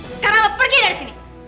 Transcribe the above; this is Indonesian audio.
sekarang lo pergi dari sini